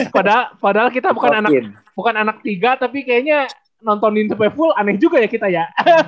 padahal kita bukan anak tiga tapi kayaknya nontonin sampai full aneh juga ya kita ya